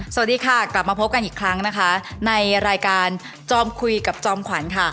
สวัสดีค่ะกลับมาพบกันอีกครั้งนะคะในรายการจอมคุยกับจอมขวัญค่ะ